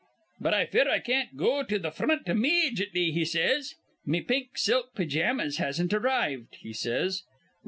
'But I fear I can't go to th' fr ront immejetly,' he says. 'Me pink silk pijammas hasn't arrived,' he says.